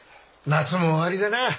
夏も終わりだな。